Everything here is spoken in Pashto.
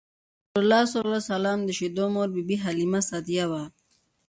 رسول الله ﷺ د شیدو مور بی بی حلیمه سعدیه وه.